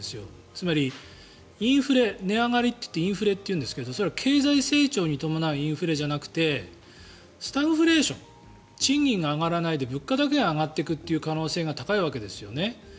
つまり、インフレ値上がりといってインフレというんですけどそれは経済成長に伴うインフレじゃなくてスタグフレーション賃金が上がらないで物価だけが上がっていく可能性が高いわけですよね。